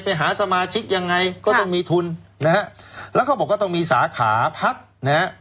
ไปหาสมาชิกยังไงก็ต้องมีทุนนะฮะแล้วเขาบอกว่าต้องมีสาขาพักนะฮะ